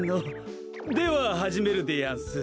でははじめるでやんす。